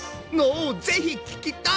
おおぜひ聞きたい！